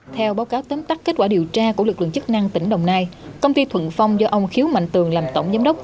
theo báo cáo tấm tắt kết quả điều tra của lực lượng chức năng tỉnh đồng nai công ty thuận phong do ông khiếu mạnh tường làm tổng giám đốc